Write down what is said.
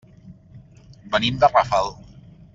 Venim de Rafal.